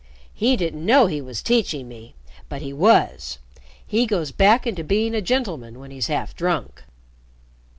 He didn't know he was teaching me, but he was. He goes back into being a gentleman when he's half drunk."